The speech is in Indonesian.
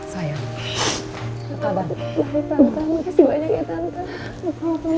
makasih banyak ya tante